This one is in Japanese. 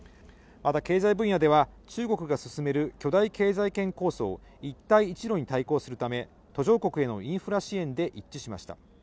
また経済分野では中国が進める巨大経済圏構想、一帯一路に対抗するため、途上国へのインフラ支援で一致しました。